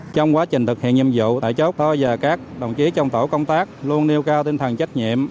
trong quá trình thực hiện nhiệm vụ tại chốt đó giờ các đồng chí trong tổ công tác luôn nêu cao tinh thần trách nhiệm